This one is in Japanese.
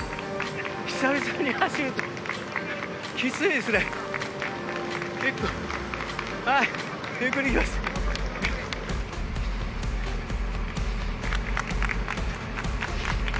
久々に走ると、きついですね。